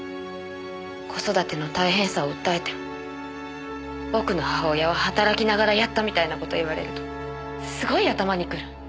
子育ての大変さを訴えても僕の母親は働きながらやったみたいな事言われるとすごい頭にくる。